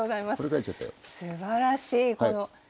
すばらしいこの。